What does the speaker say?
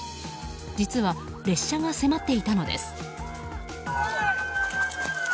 実は列車が迫っていたのです。